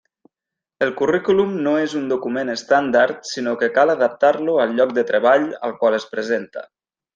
El currículum no és un document estàndard sinó que cal adaptar-lo al lloc de treball al qual es presenta.